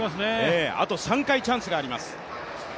あと３回チャンスがあります。